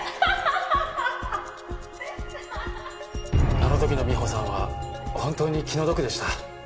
あの時の美穂さんは本当に気の毒でした。